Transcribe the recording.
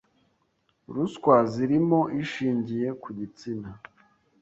ruswa zirimo ishingiye ku gitsina